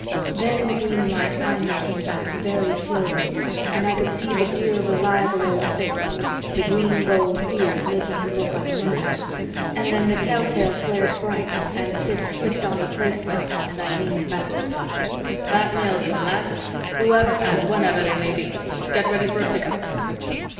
Then the green light finally came back very slowly and I could see the dear reliable old face the green gold beard making him look like a merman and then the telltale flared bright and Sid flicked on the Place lights and I leaned back. "That nails them, lads, whoever and whenever they may be. Get ready for a pick up."